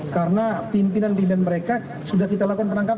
karena pimpinan pimpinan mereka sudah kita lakukan penangkapan